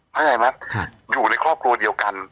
เข้าใจไหมอยู่ในครอบครัวเดียวกัน